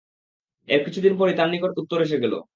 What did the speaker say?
এর কিছুদিন পরই তাঁর নিকট উত্তর এসে গেল।